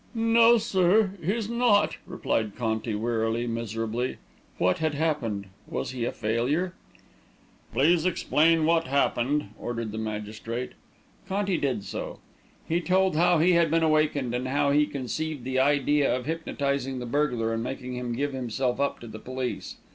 "No, sir, he's not," replied Conti wearily, miserably. What had happened? Was he a failure? "Please explain what happened," ordered the magistrate. Conti did so. He told how he had been awakened, and how he conceived the idea of hypnotising the burglar and making him give himself up to the police.